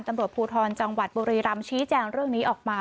ตำรวจภูทรจังหวัดบุรีรำชี้แจงเรื่องนี้ออกมา